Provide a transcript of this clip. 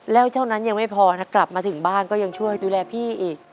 แล้วเท่านั้นยังไม่พอนะกลับมาถึงบ้านก็ยังช่วยดูแลพี่อีก